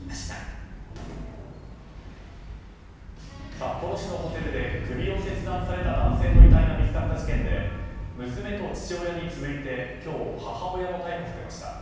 札幌市のホテルで首を切断された男性の遺体が見つかった事件で娘と父親に続いて今日、母親も逮捕されました。